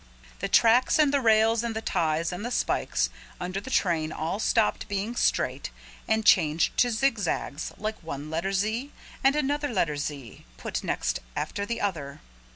The tracks and the rails and the ties and the spikes under the train all stopped being straight and changed to zigzags like one letter Z and another letter Z put next after the other.